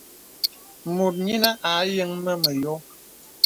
Mùt yīnə à yəŋ mə məyō.